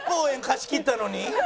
貸し切ったのに？